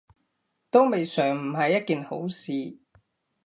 都未嘗唔係一件好事